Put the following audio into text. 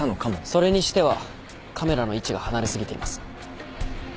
それにしてはカメラの位置が離れ過ぎています。